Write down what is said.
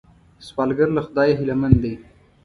سوالګر له خدایه هیلمن دی